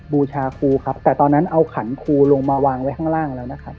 บูชาครูครับแต่ตอนนั้นเอาขันครูลงมาวางไว้ข้างล่างแล้วนะครับ